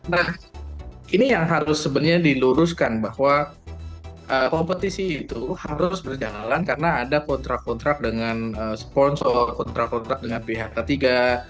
nah ini yang harus sebenarnya diluruskan bahwa kompetisi itu harus berjalan karena ada kontrak kontrak dengan sponsor kontrak kontrak dengan pihak ketiga